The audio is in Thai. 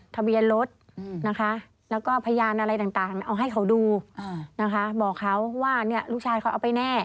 ต่างเอาให้เขาดูนะคะบอกเขาว่าเนี่ยลูกชายเขาเอาไปแน่